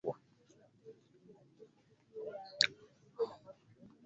Omwezi gwe kumi guyitibwa Mukulukusa bitungotungo.